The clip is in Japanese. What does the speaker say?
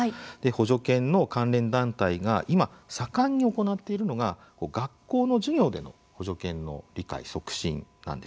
補助犬の関連団体が今、盛んに行っているのが学校の授業での補助犬の理解促進なんです。